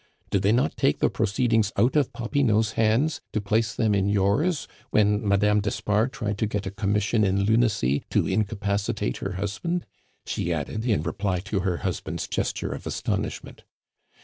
Did they not take the proceedings out of Popinot's hands to place them in yours when Madame d'Espard tried to get a Commission in Lunacy to incapacitate her husband?" she added, in reply to her husband's gesture of astonishment.